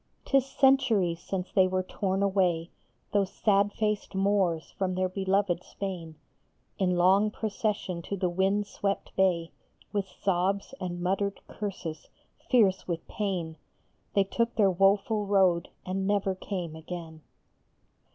IS centuries since they were torn away, Those sad faced Moors from their beloved Spain ; In long procession to the wind swept bay, With sobs and muttered curses, fierce with pain, They took their woful road and never came again.